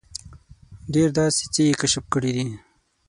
ډېر داسې څه یې کشف کړي دي.